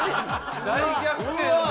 大逆転だ！